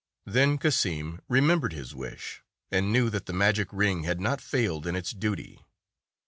Then Cassim remembered his wish, and knew that the magic ring had not failed in its duty.